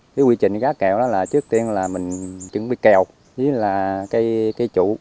cái quy trình gá kèo đó là trước tiên là mình chuẩn bị kèo với là cây trụ